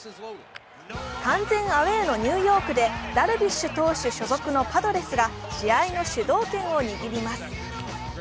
完全アウェーのニューヨークでダルビッシュ投手所属のパドレスが試合の主導権を握ります。